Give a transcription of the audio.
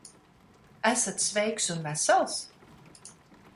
Esat sveiks un vesels?